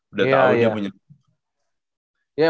udah tau dia punya